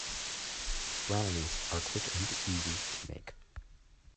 Brownies are quick and easy to make.